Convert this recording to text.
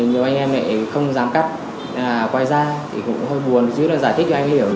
nhiều anh em lại không dám cắt quay ra thì cũng hơi buồn chứ là giải thích cho anh hiểu